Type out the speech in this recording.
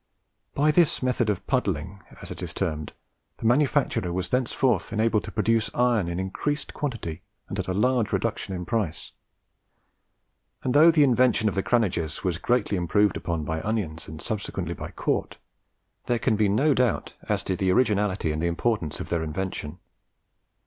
By this method of puddling, as it is termed, the manufacturer was thenceforward enabled to produce iron in increased quantity at a large reduction in price; and though the invention of the Craneges was greatly improved upon by Onions, and subsequently by Cort, there can be no doubt as to the originality and the importance of their invention.